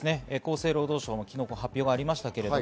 厚生労働省から発表がありました。